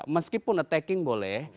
meskipun attacking boleh